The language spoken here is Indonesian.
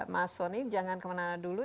mas soni jangan kemana mana dulu